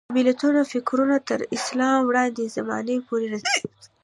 د متلونو فکرونه تر اسلام وړاندې زمانې پورې رسېږي